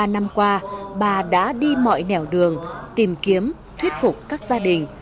hai mươi ba năm qua bà đã đi mọi nẻo đường tìm kiếm thuyết phục các gia đình